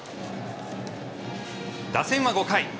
打線は５回。